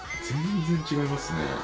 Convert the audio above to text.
全然違いますね。